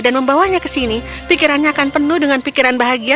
dan membawanya ke sini pikirannya akan penuh dengan pikiran bahagia